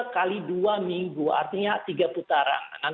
dua kali dua minggu artinya tiga putaran